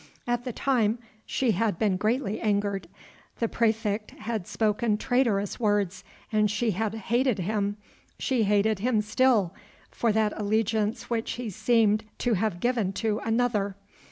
At the time she had been greatly angered. The praefect had spoken traitorous words, and she had hated him she hated him still for that allegiance which he seemed to have given to another.